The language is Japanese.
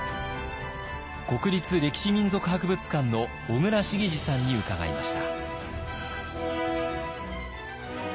国立歴史民俗博物館の小倉慈司さんに伺いました。